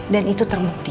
dan itu terbukti